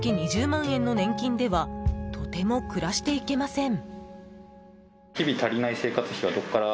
２０万円の年金ではとても暮らしていけません。